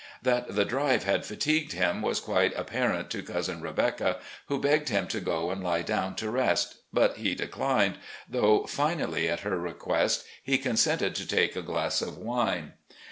That the drive had fatigued him was quite apparent to Cousin Rebecca, who begged him to go and lie down to rest, but he declined, though, finally, at her request, he consented to take a glass of wine.